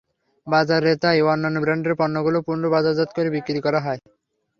বাজারে তাই অন্যান্য ব্র্যান্ডের পণ্যগুলো পুনঃ বাজারজাত করে বিক্রি করা হয়।